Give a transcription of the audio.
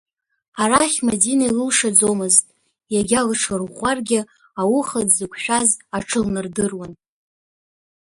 Арахь Мадина илылшаӡомызт, иагьа лыҽлырӷәӷәаргьы, ауха дзықәшәаз аҽылнардыруан.